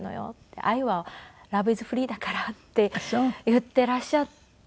愛は「ラブイズフリーだから」って言っていらっしゃったので。